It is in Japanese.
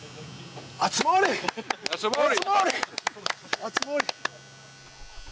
熱盛！